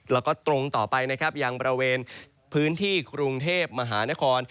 แล้วก็ตรงต่อไปนะครับยังบริเวณพื้นที่กรุงเทพมหานคร